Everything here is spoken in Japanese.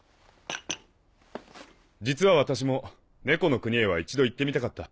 実は私も猫の国へは一度行ってみたかった。